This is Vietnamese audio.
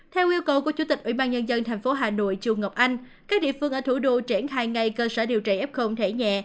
theo yêu cầu của chủ tịch ủy ban nhân dân tp hà nội trường ngọc anh các địa phương ở thủ đô triển khai ngay cơ sở điều trị f thể nhẹ